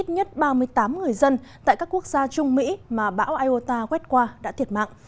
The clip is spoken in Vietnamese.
ít nhất ba mươi tám người dân tại các quốc gia trung mỹ mà bão iota quét qua đã thiệt mạng